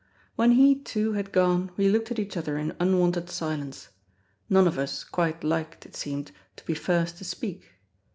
When he, too, had gone, we looked at each other in unwonted silence. None of us quite liked, it seemed, to be first to speak.